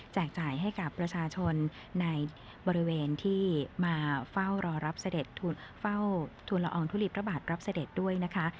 จ่ายให้กับประชาชนในบริเวณที่มาเฝ้ารอรับเสด็จเฝ้าทุนละอองทุลีพระบาทรับเสด็จด้วยนะคะ